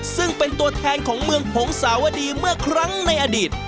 ซึ่งเป็นตัวแทนของเมืองผงสาวดีเมื่อครั้งในอดีต